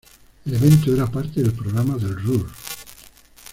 El evento era parte del programa del Ruhr.